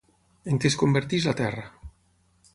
En què es converteix la terra?